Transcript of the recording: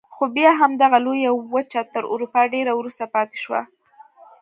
خو بیا هم دغه لویه وچه تر اروپا ډېره وروسته پاتې شوه.